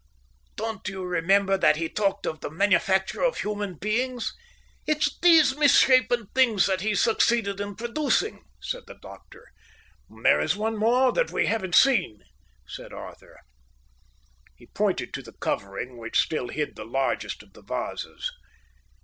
"Don't you remember that he talked of the manufacture of human beings? It's these misshapen things that he's succeeding in producing," said the doctor. "There is one more that we haven't seen," said Arthur. He pointed to the covering which still hid the largest of the vases.